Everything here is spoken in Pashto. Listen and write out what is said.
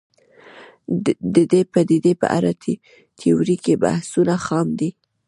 د دې پدیدې په اړه تیوریکي بحثونه خام دي